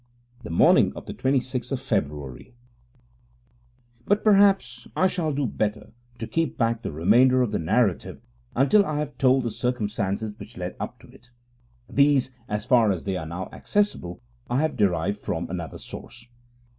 The morning of the 26th of February But perhaps I shall do better to keep back the remainder of the narrative until I have told the circumstances which led up to it. These, as far as they are now accessible, I have derived from another source.